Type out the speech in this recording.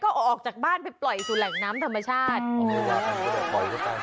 ก็ออกจากบ้านไปปล่อยสู่แหล่งน้ำธรรมชาติ